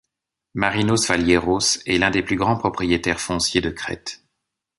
Marínos Faliéros est l'un des plus grands propriétaires fonciers de Crète.